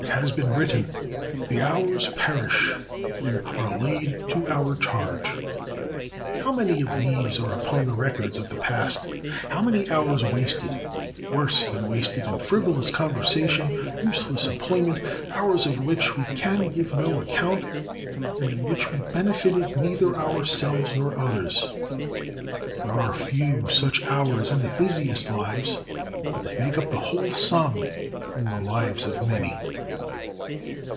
It has been written, "The hours perish, and are laid to our charge." How many of these there are upon the records of the past! How many hours wasted, worse than wasted in frivolous conversation, useless employment—hours of which we can give no account, and in which we benefited neither ourselves nor others! There are few such hours in the busiest lives, but they make up the whole sum in the lives of many.